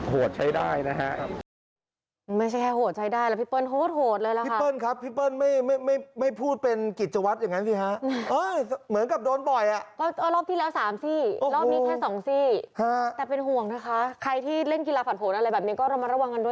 โหดใช้ได้นะฮะ